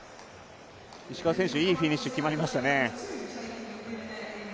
石川選手、いいフィニッシュ決まりましたね。